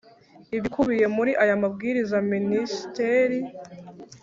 ibikubiye muri aya mabwiriza Minisiteri